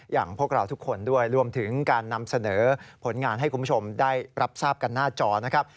อย่างพวกเราทุกคนด้วยรวมถึงการนำเสนอผลงานให้คุณผู้ชมได้รับทราบกันหน้าจอนะครับ